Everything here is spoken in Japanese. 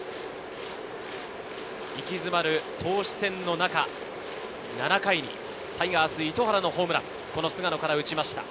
息詰まる投手戦の中、７回にタイガース・糸原のホームラン、菅野から打ちました。